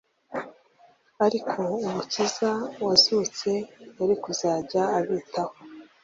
ariko Umukiza wazutse yari kuzajya abitaho.